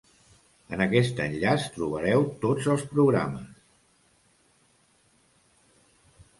En aquest enllaç, trobareu tots els programes.